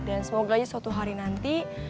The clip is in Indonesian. dan semoga aja suatu hari nanti